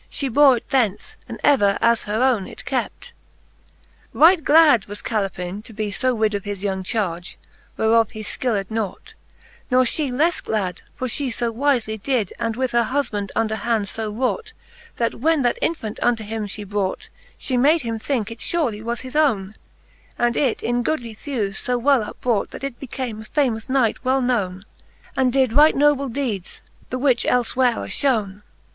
She bore it thence, and ever as her owne It kept, XXXVIII. Right glad was Calepine to be fb rid Of his young charge, whereof he /killed nought ; Ne fhe leffe glad ; for flie fo wifely did, And with her hufband under hand fo wrought. That when that infant unto him fhe brought. She made him thinke it furely was his owne. And it in goodly thewes fo well upbrought. That it became a famous knight well knowne. And did rigjit noble deedes, the which elfewhere are fhowne.